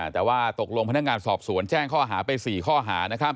แต่ว่าตกลงพนักงานสอบสวนแจ้งข้อหาไป๔ข้อหา